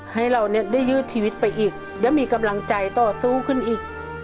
ให้เราได้ยืดชีวิตไปอีกแล้วมีกำลังใจต่อสู้ขึ้นอีก